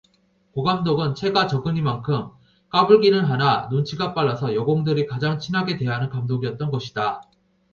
고감독은 체가 적으니만큼 까불기는 하나 눈치가 빨라서 여공들이 가장 친하게 대하는 감독이었던 것이다.